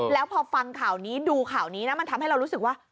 แล้วพอฟังข่าวนี้ดูข่าวนี้นะมันทำให้เรารู้สึกว่า